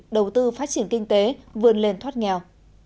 đầu tư phát triển kinh tế vươn lên thoát nghèo